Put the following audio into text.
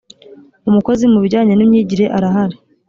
umukozi mu bijyanye nimyigire arahari.